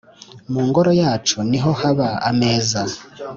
mu ngoro yacu niho haba ameza